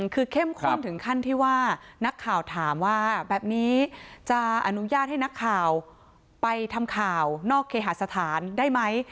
คือเข้มข้นถึงขั้นที่ว่านักข่าวถามว่าแบบนี้จะอนุญาตให้นักข่าวไปทำข่าวนอกเคหาสถานได้ไหม